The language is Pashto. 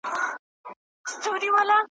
د لېوه یې په نصیب کښلي ښکارونه `